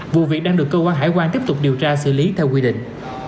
vụ việc đang được cơ quan hải quan tiếp tục điều tra xử lý theo quy định